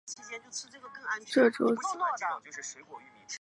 这周进度可以说很多